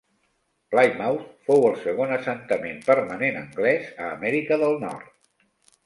Plymouth fou el segon assentament permanent anglès a Amèrica del Nord.